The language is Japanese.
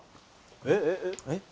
えっ？